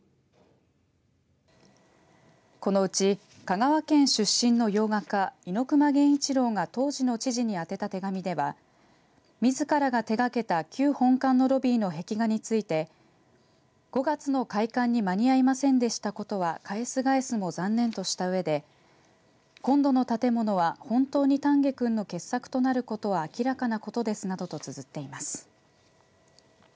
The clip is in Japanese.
このうち香川県出身の洋画家猪熊弦一郎が当時の知事に宛てた手紙ではみずからが手がけた旧本館のロビーの壁画について五月の開館に間に合いませんでした事はかへすがへすも残念としたうえで今度の建物は、本当に丹下君の傑作となる事は明らかな事ですなどとつづっています。